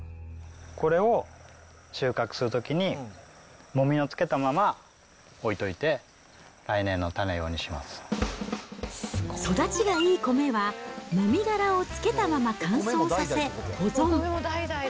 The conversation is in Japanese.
これを収穫するときに、もみをつけたまま置いといて、育ちがいい米は、もみ殻をつけたまま乾燥させ保存。